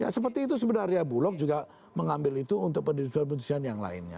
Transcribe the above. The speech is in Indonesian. seperti itu sebenarnya bulog juga mengambil itu untuk pendidikan pendidikan yang lainnya